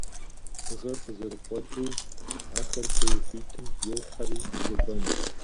Дыгъэр къызэрыкъуэкӀыу, ахэр хуей хуитым йохьэри зобэн.